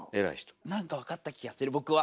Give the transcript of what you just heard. なんか分かった気がする僕は。